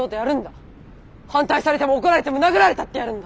反対されても怒られても殴られたってやるんだ。